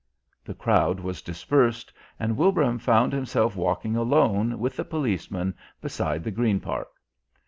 The crowd was dispersed and Wilbraham found himself walking alone with the policeman beside the Green Park.